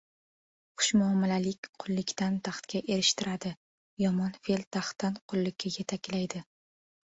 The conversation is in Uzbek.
• Xushmuomalalik qullikdan taxtga erishtiradi, yomon fe’l taxtdan qullikka yetaklaydi.